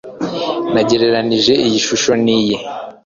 Nagereranije iyi shusho niyi